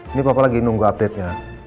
ini bapak lagi nunggu update nya